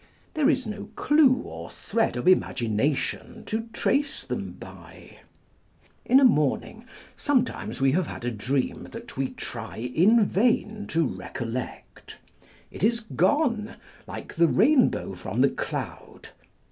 There is no clue or thread of imagination to trace them by. In a morning sometimes we have had a dream tbat we try in vain to recollect ; it is gone, like the rainbow from the cloud.